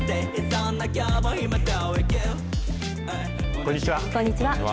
こんにちは。